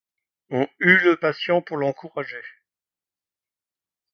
On hue le patient pour l’encourager.